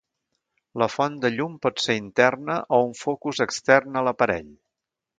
La font de llum pot ser interna o un focus extern a l'aparell.